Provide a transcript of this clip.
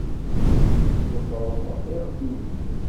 Tḍebbreḍ iɣef-nnek.